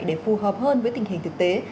để phù hợp hơn với tình hình thực tế